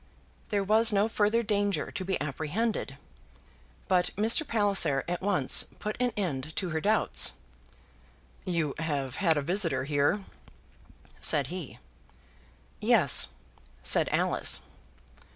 There was no further danger to be apprehended. But Mr. Palliser at once put an end to her doubts. "You have had a visitor here?" said he. "Yes," said Alice.